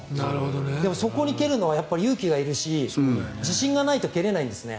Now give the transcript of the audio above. でも、そこに蹴るのは勇気がいるし自信がないと蹴れないんですね。